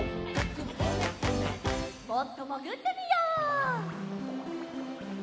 もっともぐってみよう！